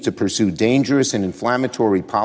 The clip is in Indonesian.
dan berpengaruh yang mencoba mencoba